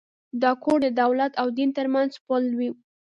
دا کور د دولت او دین تر منځ پُل و.